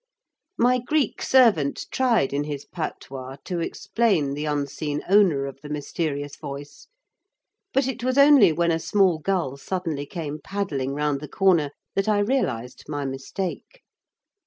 My Greek servant tried in his patois to explain the unseen owner of the mysterious voice, but it was only when a small gull suddenly came paddling round the corner that I realised my mistake.